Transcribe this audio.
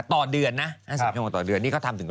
ต่อเดือนนะ๕๐ชั่วโมงต่อเดือนนี่เขาทำถึง